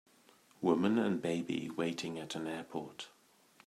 Woman and baby waiting at an airport.